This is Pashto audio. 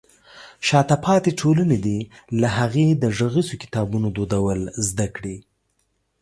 شاته پاتې ټولنې دې له هغې د غږیزو کتابونو دودول زده کړي.